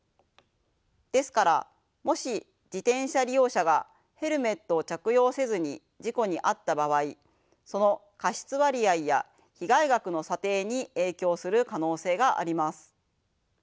ですからもし自転車利用者がヘルメットを着用せずに事故に遭った場合その過失割合や被害額の査定に影響する可能性があります。